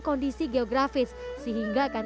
kondisi geografis sehingga akan